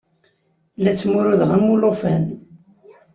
La ttmurudeɣ am ulufan.